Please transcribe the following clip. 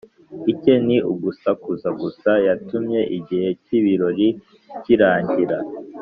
icye ni ugusakuza gusa Yatumye igihe cy ibirori kirangira